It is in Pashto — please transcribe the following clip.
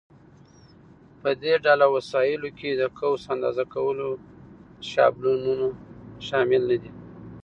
په دې ډله وسایلو کې د قوس اندازه کولو شابلونونه شامل نه دي.